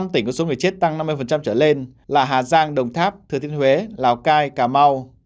năm tỉnh có số người chết tăng năm mươi trở lên là hà giang đồng tháp thừa thiên huế lào cai cà mau